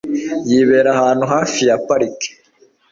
Yibera ahantu hafi ya parike.